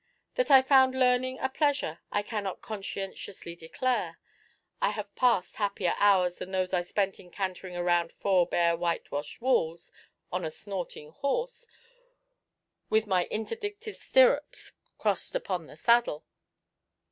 That I found learning a pleasure I cannot conscientiously declare. I have passed happier hours than those I spent in cantering round four bare whitewashed walls on a snorting horse, with my interdicted stirrups crossed upon the saddle.